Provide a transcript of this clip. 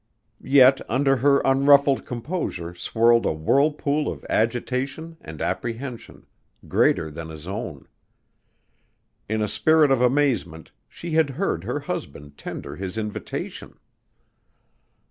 Yet under her unruffled composure swirled a whirlpool of agitation and apprehension, greater than his own. In a spirit of amazement, she had heard her husband tender his invitation.